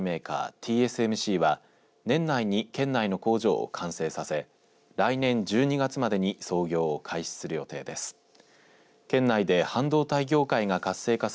ＴＳＭＣは年内に県内の工場を完成させ来年１２月までに操業を開始する予定です。